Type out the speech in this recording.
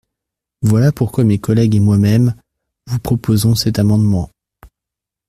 Voilà pourquoi mes collègues et moi-même vous proposons cet amendement.